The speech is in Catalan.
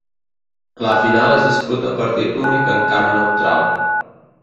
La final es disputa a partit únic en camp neutral.